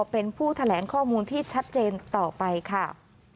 เป็นผู้แถลงข้อมูลที่ชัดเจนต่อไปค่ะ